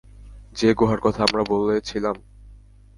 যে গুহার কথা আমরা বলেছিলাম?